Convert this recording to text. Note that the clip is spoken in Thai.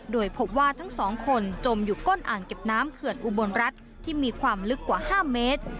โดยพบว่าทั้งสองคนจมอยู่ก้นอ่างเก็บน้ำเขื่อนอุบลรัฐที่มีความลึกกว่า๕เมตร